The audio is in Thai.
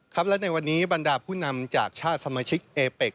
ครับและในวันนี้บรรดาผู้นำจากชาติสมาชิกเอเป็ก